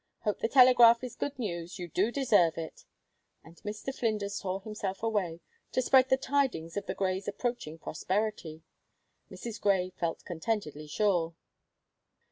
Hope the telegraph is good news; you do deserve it." And Mr. Flinders tore himself away to spread the tidings of the Greys' approaching prosperity, Mrs. Grey felt contentedly sure.